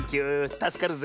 たすかるぜ。